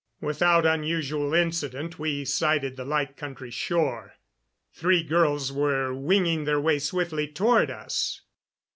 Without unusual incident we sighted the Light Country shore. Three girls were winging their way swiftly toward us.